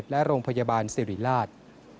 และโรงพยาบาลสิริราช